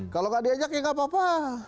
kalau nggak diajak ya nggak apa apa